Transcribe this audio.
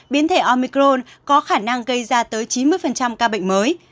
biến thể omicron có khả năng gây ra tới chín mươi ca bệnh mới